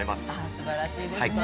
◆すばらしいですね。